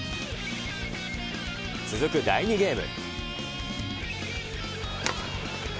続く第２ゲーム。